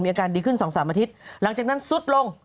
อาการดีขึ้น๒๓อาทิตย์หลังจากนั้นซุดลง